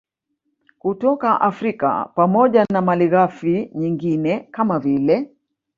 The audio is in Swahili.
kutoka Afrika pamoja na malighafi nyingine kama vile